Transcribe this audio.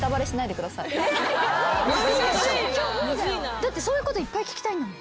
だってそういうこといっぱい聞きたいんだもん。